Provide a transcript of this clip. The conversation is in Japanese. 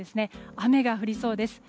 雨が降りそうです。